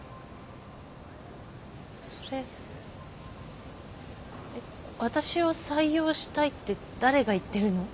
それ私を採用したいって誰が言ってるの？